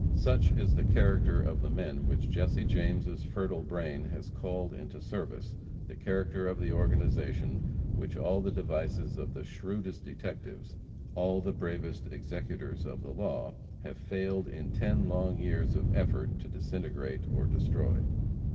Such is the character of the men which Jesse James' fertile brain has called into service; the character of the organization, which all the devices of the shrewdest detectives, all the bravest executors of the law have failed in ten long years of effort, to disintegrate or destroy.